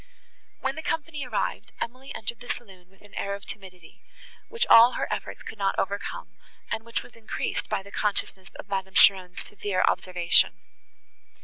When the company arrived, Emily entered the saloon with an air of timidity, which all her efforts could not overcome, and which was increased by the consciousness of Madame Cheron's severe observation.